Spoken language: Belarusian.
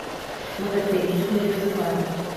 Мы гэтыя лічбы не называем.